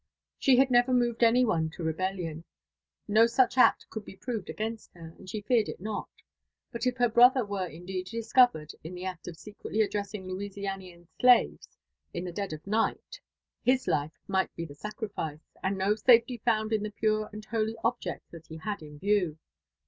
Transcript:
She had never moved any one to rebellion ; no such act could be proved against her, and she feared it not. But if her brother were indeed discovered in the act of secretly addressing Louisianian slaves in the dead of night, his . life might be the sacrifice, and no safety found in the pure and holy object that he had in view